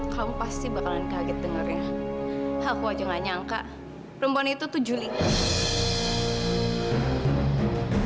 kamu pasti bakalan kaget dengarnya aku aja nggak nyangka perempuan itu tuh julie